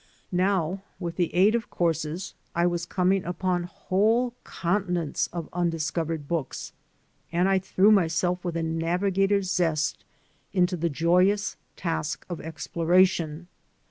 Now with the aid of the courses I was coming upon whole continents of undiscovered books, and I threw myself with a navigator's zest into the joyous task of explora tion.